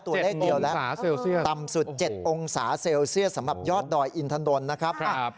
ตัวเลขเดียวแล้วต่ำสุด๗องศาเซลเซียสสำหรับยอดดอยอินถนนนะครับ